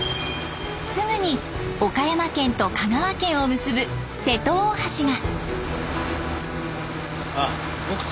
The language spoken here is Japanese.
すぐに岡山県と香川県を結ぶ瀬戸大橋が。